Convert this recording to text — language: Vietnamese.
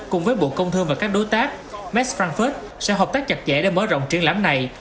cùng với bộ công thương và các đối tác max frankfurt sẽ hợp tác chặt chẽ để mở rộng triển lãm này